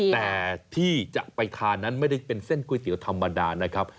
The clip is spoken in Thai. แต่ที่จะไปทานนั้นไม่ได้เป็นเส้นก๋วยเตี๋ยวธรรมดานะครับ